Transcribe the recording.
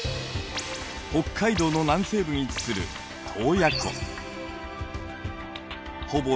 北海道の南西部に位置する洞爺湖。